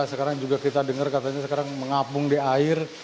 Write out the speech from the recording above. sekarang juga kita dengar katanya sekarang mengapung di air